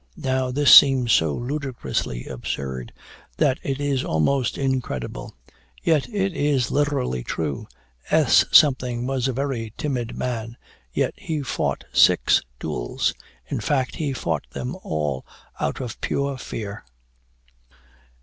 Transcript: Now this seems so ludicrously absurd, that it is almost incredible; yet it is literally true. S was a very timid man; yet he fought six duels in fact, he fought them all out of pure fear."